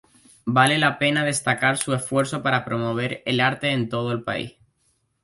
Vale la pena destacar su esfuerzo para promover el arte en todo el país.